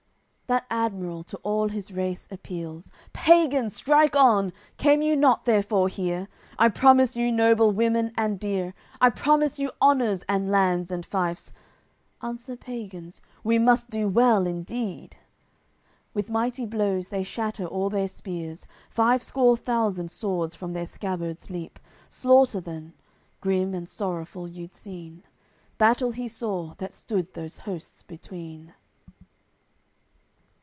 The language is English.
AOI. CCXLV That admiral to all his race appeals: "Pagans, strike on; came you not therefore here? I promise you noble women and dear, I promise you honours and lands and fiefs." Answer pagans: "We must do well indeed." With mighty blows they shatter all their spears; Five score thousand swords from their scabbards leap, Slaughter then, grim and sorrowful, you'd seen. Battle he saw, that stood those hosts between.